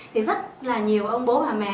thì rất là nhiều ông bố bà mẹ